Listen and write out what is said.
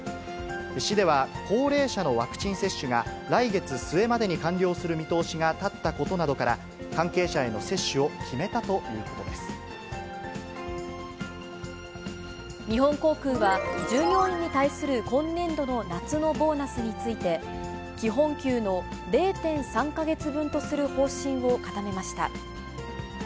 市では、高齢者のワクチン接種が、来月末までに完了する見通しが立ったことなどから、関係者への接日本航空は、従業員に対する今年度の夏のボーナスについて、基本給の０．３か月分とする方針を固めました。